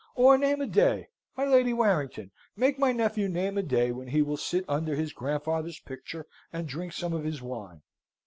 Or name a day. My Lady Warrington, make my nephew name a day when he will sit under his grandfather's picture, and drink some of his wine!"